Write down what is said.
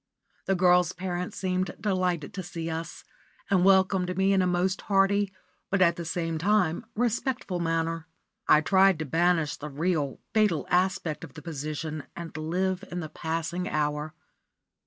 The girl's parents seemed delighted to see us, and welcomed me in a most hearty, but at the same time respectful manner. I tried to banish the real, fatal aspect of the position and live in the passing hour.